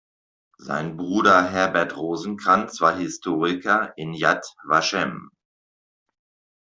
Sein Bruder Herbert Rosenkranz war Historiker in Yad Vashem.